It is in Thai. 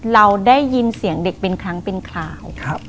เราได้ยินเสียงเด็กเป็นครั้งเป็นคราว